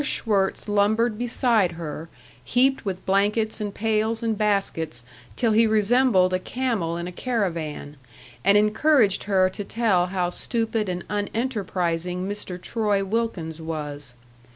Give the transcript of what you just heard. Schwirtz lumbered beside her, heaped with blankets and pails and baskets till he resembled a camel in a caravan, and encouraged her to tell how stupid and unenterprising Mr. Troy Wilkins was.